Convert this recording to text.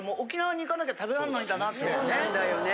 そうなんだよね。